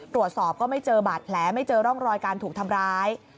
ตรวจสอบก็ไม่เจอบาดแผลไม่เจอร่องรอยการถูกทำร้าย